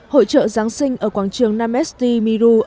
hội trợ giáng sinh ở quảng trường nam et di mi ru